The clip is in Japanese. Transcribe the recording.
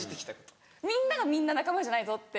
みんながみんな仲間じゃないぞって。